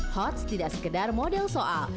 hots tidak sekedar model soal